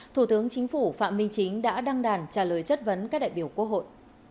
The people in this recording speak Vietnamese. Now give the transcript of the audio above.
thủ tướng chính phủ phạm minh chính đã đăng đàn trả lời chất vấn các đại biểu quốc hội